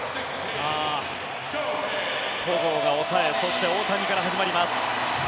さあ、戸郷が抑えそして大谷から始まります。